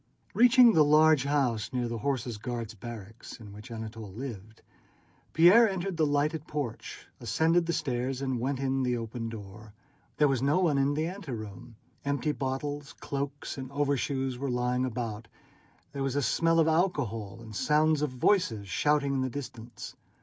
Reaching the large house near the Horse Guards' barracks, in which Anatole lived, Pierre entered the lighted porch, ascended the stairs, and went in at the open door. There was no one in the anteroom; empty bottles, cloaks, and overshoes were lying about; there was a smell of alcohol, and sounds of voices and shouting in the distance.